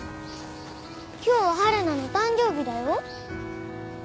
今日ははるなの誕生日だよ。